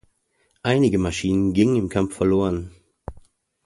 Einige Maschinen gingen im Kampf verloren.